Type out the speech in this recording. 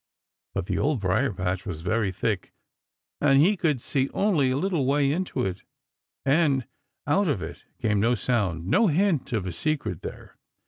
But the Old Briar patch was very thick, and he could see only a little way into it, and out of it came no sound to hint of a secret there.